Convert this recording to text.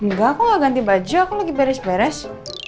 enggak aku gak ganti baju aku lagi beres beres